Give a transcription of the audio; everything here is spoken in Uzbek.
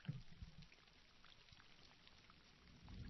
Rossiyaga ishlashga borayotganlar oʻris tilini bilishlari kerak